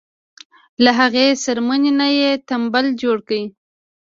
له هغې څرمنې نه یې تمبل جوړ کړی.